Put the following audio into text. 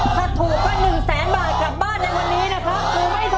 ถ้าถูกก็๑แสนบาทกลับบ้านในวันนี้นะครับ